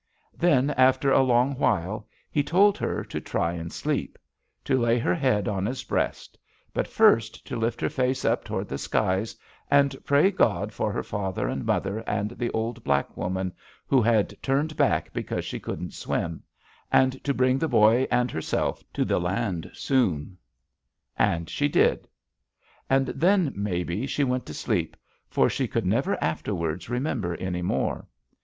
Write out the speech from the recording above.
*'Then, after a long while, he told her to try and sleep ; to lay her head on his breast, but first to lift her face up toward the skies and pray God for her father and mother and the old black woman, who had ^turned back because she couldn't swim,' and to bring the boy and herself to the land soon. And she did. And then, maybe, she went to sleep, for she could never afterwards remember any more.